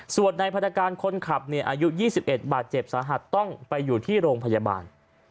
ส่วนในพันธการคนขับอายุ๒๑บาทเจ็บสาหัสต้องไปอยู่ที่โรงพยาบาล